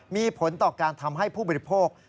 มีผลต่อการทำให้ผู้บริโภค